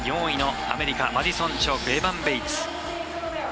４位のアメリカマディソン・チョークエバン・ベイツ。